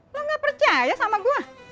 lo gak percaya sama gue